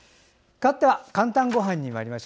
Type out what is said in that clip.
かわって「かんたんごはん」です。